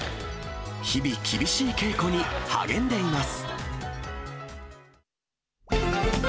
日々、厳しい稽古に励んでいます。